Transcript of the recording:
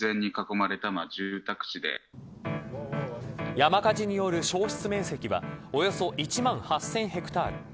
山火事による焼失面積はおよそ１万８０００ヘクタール。